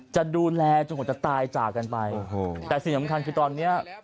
จะดูแลจนหวะจะตายจากกันไปแต่สิ่งจำควรที่ตอนนี้